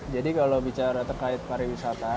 jadi kalau bicara terkait pariwisata